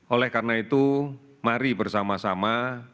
oleh karena itu mari bersama sama